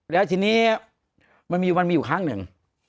แล้วทีนี้มันมีวันมีอยู่ครั้งหนึ่ง